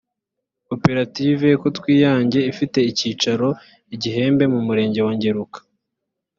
koperative kotwiange ifite icyicaro i gihembe mu murenge wa ngeruka